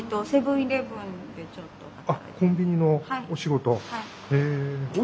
あっコンビニのお仕事。